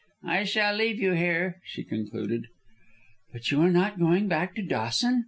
"I shall leave you there," she concluded. "But are you not going back to Dawson?"